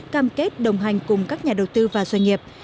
cam kết đồng hành cùng các nhà đầu tư và doanh nghiệp